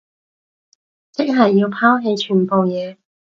即係要拋棄全部嘢